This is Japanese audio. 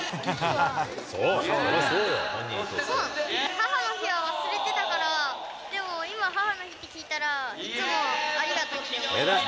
母の日は忘れてたから、でも今、母の日って聞いたら、いつもありがとうって思いました。